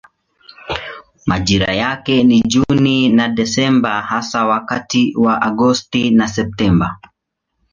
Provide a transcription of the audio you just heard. Majira yake ni Juni na Desemba hasa wakati wa Agosti na Septemba.